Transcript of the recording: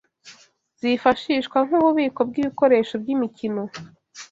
zifashishwa nk’ububiko bw’ibikoresho by’imikino